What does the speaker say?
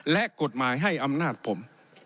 และกฎหมายให้อำนาจผม